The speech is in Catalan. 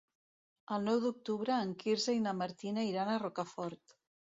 El nou d'octubre en Quirze i na Martina iran a Rocafort.